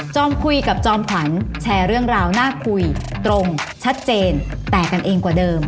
คุยกับจอมขวัญแชร์เรื่องราวน่าคุยตรงชัดเจนแตกกันเองกว่าเดิม